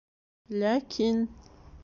— Ләкин...